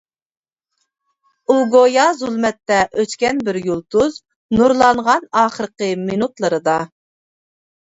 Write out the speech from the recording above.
ئۇ گويا زۇلمەتتە ئۆچكەن بىر يۇلتۇز، نۇرلانغان ئاخىرقى مىنۇتلىرىدا.